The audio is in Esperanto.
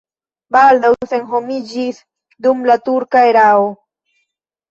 Ambaŭ senhomiĝis dum la turka erao.